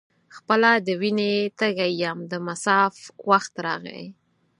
خپله د وینې تږی یم د مصاف وخت راغی.